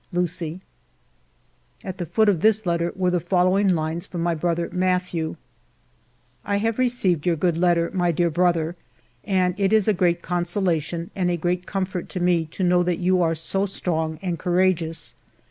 ... Lucie." At the foot of this letter were the following lines from my brother Mathieu :— ALFRED DREYFUS 179 " I have received your good letter, my dear brother, and it is a great consolation and a great comfort to me to know that you are so strong and courageous.